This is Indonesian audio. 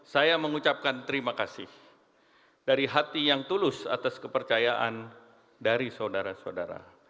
saya mengucapkan terima kasih dari hati yang tulus atas kepercayaan dari saudara saudara